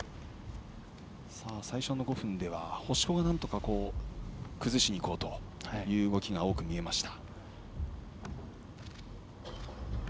最初の５分では星子が崩しにいこうという動きが多く見えました。